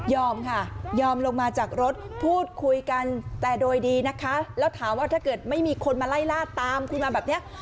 ยอมลงมาจากรถพูดคุยกันแต่โดยดีนะคะแล้วถามว่าถ้าเกิดไม่มีคนมาไล่ล่าตามคุณมาแบบนี้